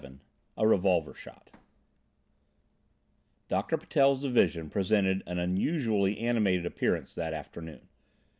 VII A REVOLVER SHOT Doctor Patel's division presented an unusually animated appearance that afternoon.